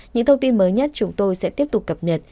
những thông tin mới nhất chúng tôi sẽ tiếp tục cập nhật